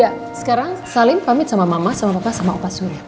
udah sekarang salim pamit sama mama sama papa sama opah suria